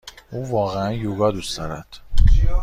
او واقعا یوگا دوست دارد.